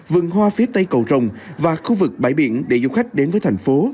vườn hoa phía tây cầu rồng và khu vực bãi biển để du khách đến với thành phố